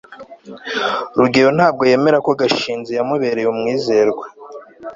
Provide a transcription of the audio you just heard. rugeyo ntabwo yemera ko gashinzi yamubereye umwizerwa